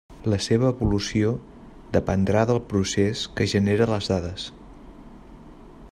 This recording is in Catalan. La seva evolució dependrà del procés que genera les dades.